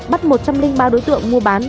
bắt một trăm linh ba đối tượng mua bán